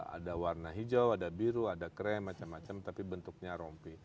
ada warna hijau ada biru ada krem macam macam tapi bentuknya rompi